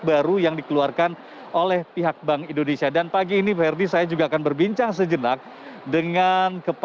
baru yang dikeluarkan oleh pihak bank indonesia dan pagi ini verdi saya juga akan berbincang sejenak dengan